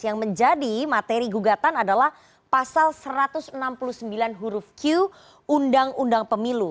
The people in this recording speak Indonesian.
yang menjadi materi gugatan adalah pasal satu ratus enam puluh sembilan huruf q undang undang pemilu